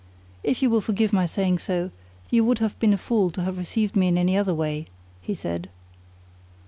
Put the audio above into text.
"If you will forgive my saying so, you would have been a fool to have received me in any other way," he said.